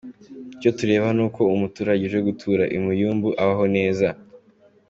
Icyo tureba ni uko umuturage uje gutura i Muyumbu abaho neza.